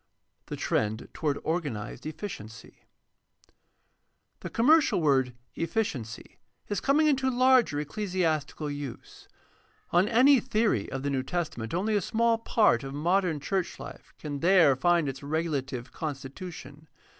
The trend toward organized efficiency. — The commercial word "efficiency" is coming into larger ecclesiastical use. On any theory of the New Testament only a small part of modern church Hfe can there find its regulative constitution.